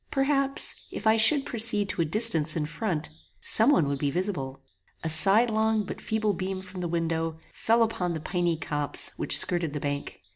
Perhaps, if I should proceed to a distance in front, some one would be visible. A sidelong but feeble beam from the window, fell upon the piny copse which skirted the bank.